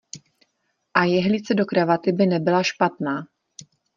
A jehlice do kravaty by nebyla špatná.